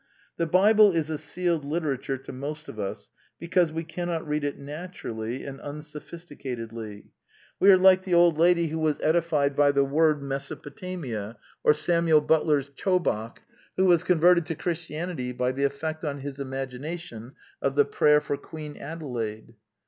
The Bible is a sealed literature to most of iis because we cannot read it naturally and unso phisticatedly : we are like the old lady who was edified by the word Mesopotamia, or Samuel Butler's Chowbok, who was converted to Chris tianity by the effect on his imagination of the prayer for Queen Adelaide.